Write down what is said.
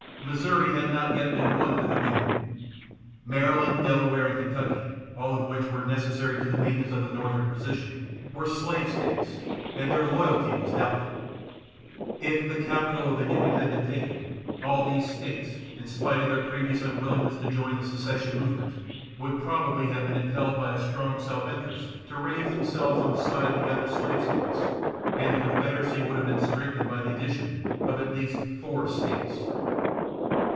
Missouri had not yet been won to the Union. Maryland, Delaware and Kentucky, all of which were necessary to the maintenance of the Northern position, were slave States, and their loyalty was doubtful. If the capital of the Union had been taken, all these States, in spite of their previous unwillingness to join the secession movement, would probably have been impelled by strong self interest to range themselves on the side of the other slave States; and the Confederacy would have been strengthened by the addition of at least four States.